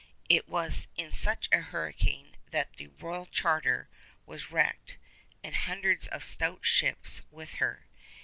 It was in such a hurricane that the 'Royal Charter' was wrecked, and hundreds of stout ships with her.